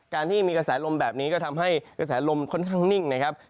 การที่มีกระแสลมแบบนี้ก็ทำให้กระแสลมค่อนข้างนิ่งนะครับ